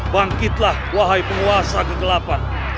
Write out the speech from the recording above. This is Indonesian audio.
bangkitlah wahai penguasa kegelapan